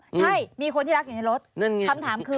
ใช่มีคนที่รักอยู่ในรถนั่นไงคำถามคือ